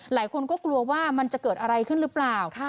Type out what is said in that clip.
หลายคนก็กลัวว่ามันจะเกิดอะไรขึ้นหรือเปล่า